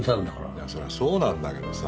いやそりゃそうなんだけどさ。